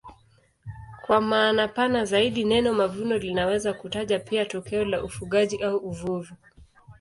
Kwa maana pana zaidi neno mavuno linaweza kutaja pia tokeo la ufugaji au uvuvi.